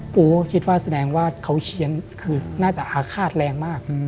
ปูก็คิดว่าแสดงว่าเขาเคี้ยนคือน่าจะอาฆาตแรงมาก